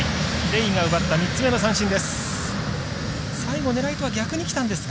レイが奪った３つ目の三振です。